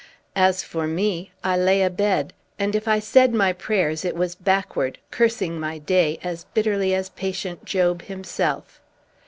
As for me, I lay abed; and if I said my prayers, it was backward, cursing my day as bitterly as patient Job himself.